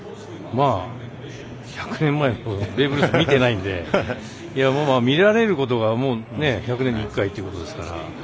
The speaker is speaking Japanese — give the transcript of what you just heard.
１００年前のことなのでベーブ・ルース見てないので見られることが１００年に１回っていうことですから。